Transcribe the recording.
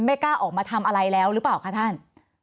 กล้าออกมาทำอะไรแล้วหรือเปล่าคะท่าน